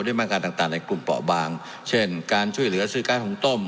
มาตรการต่างในกลุ่มเปาะบางเช่นการช่วยเหลือซื้อก๊สหุงต้ม